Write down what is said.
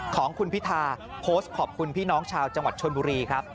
ของคุณพิธาโพสต์ขอบคุณพี่น้องชาวจังหวัดชนบุรีครับ